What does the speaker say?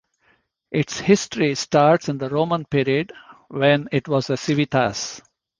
Its history starts in the Roman period when it was a civitas.